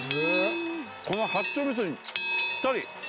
この八丁みそにぴったり。